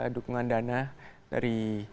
dukungan dana dari